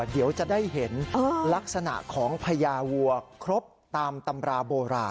เดี๋ยวจะได้เห็นลักษณะของพญาวัวครบตามตำราโบราณ